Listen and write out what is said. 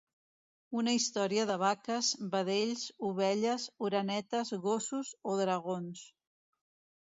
Una història de vaques, vedells, ovelles, orenetes, gossos o dragons.